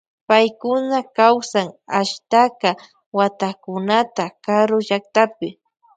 Paykuna kawsan ashtaka watakunata karu llaktapi.